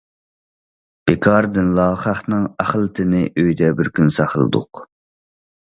بىكاردىنلا خەقنىڭ ئەخلىتىنى ئۆيدە بىر كۈن ساقلىدۇق.